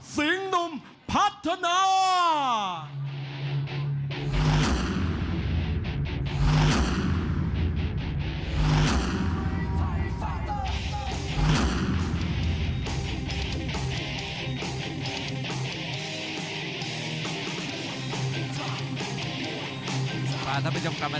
สีขาดสีขาดสีขาด